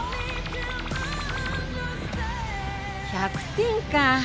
１００点か！